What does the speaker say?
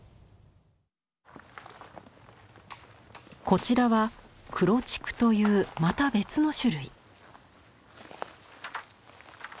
こちらは「黒竹」というまた別の種類。